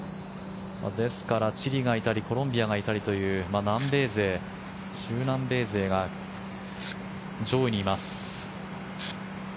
ですから、チリがいたりコロンビアがいたりという南米勢、中南米勢が上位にいます。